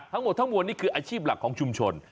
ทั้งหมดทั้งมวลนี่คืออาชีพหลักของชุมชน